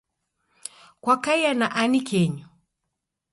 Kwakaia na ani kenyu?